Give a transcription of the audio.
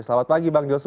selamat pagi bang joshua